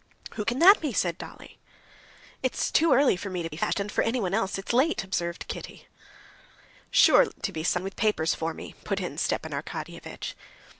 "Who can that be?" said Dolly. "It's early for me to be fetched, and for anyone else it's late," observed Kitty. "Sure to be someone with papers for me," put in Stepan Arkadyevitch.